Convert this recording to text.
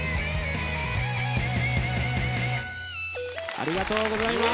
ありがとうございます。